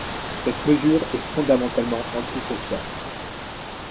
Cette mesure est fondamentalement antisociale.